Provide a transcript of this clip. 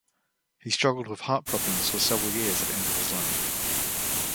He struggled with heart problems for several years at the end of his life.